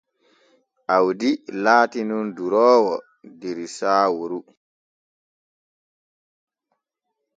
Awdi laati nun duroowo der Saaworu.